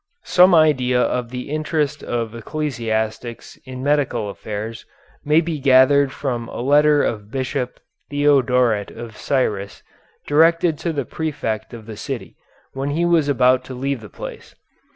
Some idea of the interest of ecclesiastics in medical affairs may be gathered from a letter of Bishop Theodoret of Cyrus, directed to the prefect of the city, when he was about to leave the place.